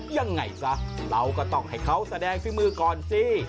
ยังไงซะเราก็ต้องให้เขาแสดงฝีมือก่อนสิ